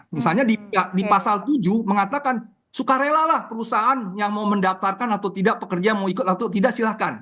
misalnya di pasal tujuh mengatakan suka rela lah perusahaan yang mau mendaftarkan atau tidak pekerja mau ikut atau tidak silahkan